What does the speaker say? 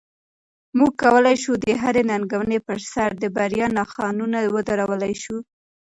موږ کولی شو د هرې ننګونې په سر د بریا نښانونه ودرولای شو.